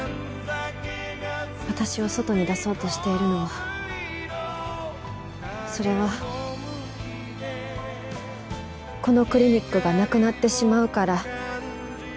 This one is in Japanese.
私を外に出そうとしているのはそれはこのクリニックがなくなってしまうから。